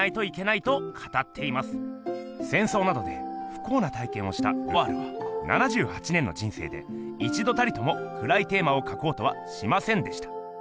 せんそうなどでふこうな体けんをしたルノワールは７８年の人生で一度たりともくらいテーマをかこうとはしませんでした。